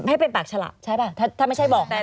ให้เป็นปากฉละใช่ป่ะถ้าไม่ใช่บอกนะ